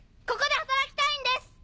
ここで働きたいんです！